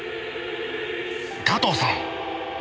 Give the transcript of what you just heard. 加藤さん！